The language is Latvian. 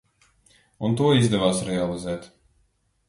Un to izdevās realizēt.